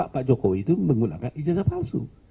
pak jokowi itu menggunakan ijazah palsu